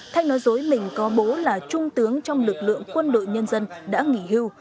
thanh nói dối mình có bố là trung tướng trong lực lượng quân đội nhân dân đã nghỉ hưu